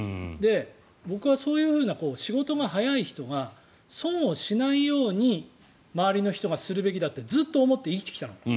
僕はそういう仕事が早い人が損をしないように周りの人がするべきだってずっと思って生きてきたの。